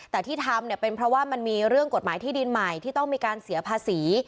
แต่ที่ทำเนี่ยเป็นเพราะว่ามันมีเรื่องกฎหมายที่ดินใหม่ที่ต้องมีการเสียภาษี